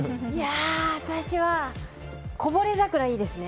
私は零れ桜、いいですね。